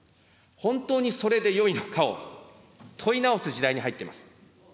本当にそれでよいのかを問い直す時代に入っています。